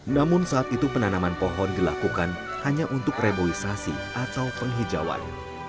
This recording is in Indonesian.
namun saat itu penanaman pohon dilakukan hanya untuk reboisasi atau penghijauan